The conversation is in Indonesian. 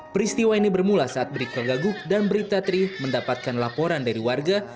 peristiwa ini bermula saat bribka gaguk dan bribta tri mendapatkan laporan dari warga